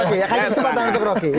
kayaknya kesempatan untuk rocky